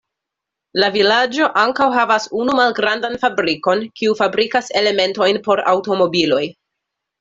La vilaĝo ankaŭ havas unu malgrandan fabrikon, kiu fabrikas elementojn por aŭtomobiloj.